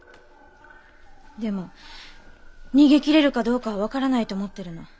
でも逃げきれるかどうかは分からないと思ってるの。